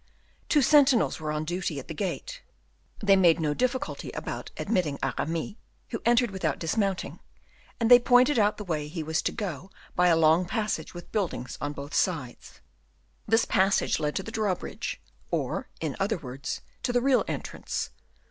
Two sentinels were on duty at the gate; they made no difficulty about admitting Aramis, who entered without dismounting, and they pointed out the way he was to go by a long passage with buildings on both sides. This passage led to the drawbridge, or, in other words, to the real entrance.